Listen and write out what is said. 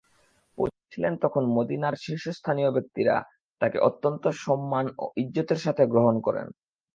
পৌঁছলেন তখন মদীনার শীর্ষস্থানীয় ব্যক্তিরা তাঁকে অত্যন্ত সম্মান ও ইজ্জতের সাথে গ্রহণ করলেন।